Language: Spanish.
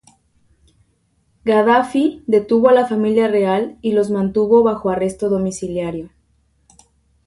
Gadafi detuvo a la Familia Real y los mantuvo bajo arresto domiciliario.